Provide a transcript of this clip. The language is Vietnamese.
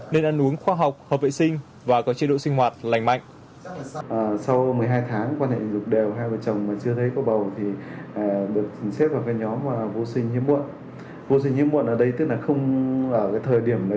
nên ăn uống khoa học hợp vệ sinh và có chế độ sinh hoạt lành mạnh